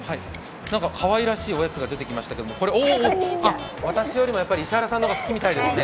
かわいらしいおやつが出てきましたけど私より石原さんのほうがいいみたいですね。